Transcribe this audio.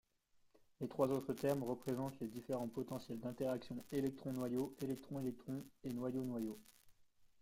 Les trois autres termes représentent les différents potentiels d'interaction électron-noyau, électron-électron et noyau-noyau.